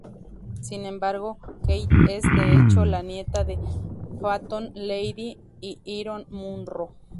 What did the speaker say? Sin embargo, Kate es, de hecho, la nieta de Phantom Lady y Iron Munro.